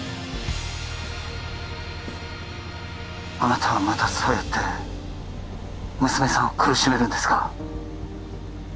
あなたはまたそうやって娘さんを苦しめるんですか？